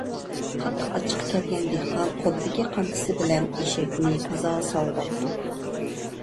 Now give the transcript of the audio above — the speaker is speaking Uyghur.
قاتتىق ئاچچىقى كەلگەن دېھقان قولىدىكى قامچىسى بىلەن ئېشەكنى تازا ساۋىداپتۇ.